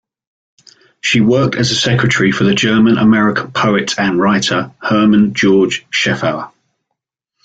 She worked as a secretary for the German-American poet and writer, Herman George Scheffauer.